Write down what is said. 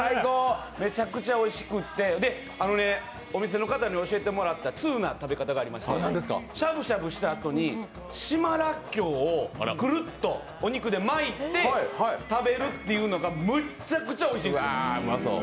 めちゃくちゃおいしくてお店の方に教えてもらった、ツウな食べ方がありまして、しゃぶしゃぶしたあとに島らっきょうをくるっとお肉で巻いて食べるというのがむっちゃくちゃおいしいんですよ。